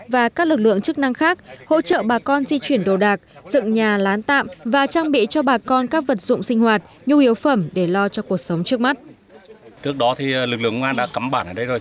và các lực lượng chức năng khác hỗ trợ bà con di chuyển đồ đạc dựng nhà lán tạm và trang bị cho bà con các vật dụng sinh hoạt nhu yếu phẩm để lo cho cuộc sống trước mắt